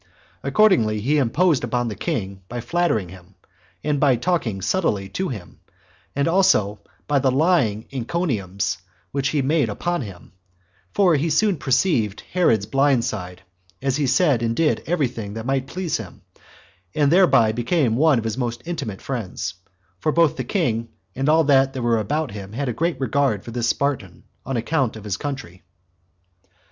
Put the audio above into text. Accordingly, he imposed upon the king by flattering him, and by talking subtlely to him, as also by the lying encomiums which he made upon him; for as he soon perceived Herod's blind side, so he said and did every thing that might please him, and thereby became one of his most intimate friends; for both the king and all that were about him had a great regard for this Spartan, on account of his country.